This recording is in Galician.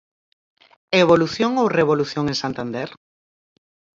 Evolución ou Revolución en Santander?